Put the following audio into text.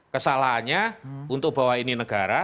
kesalahannya untuk bahwa ini negara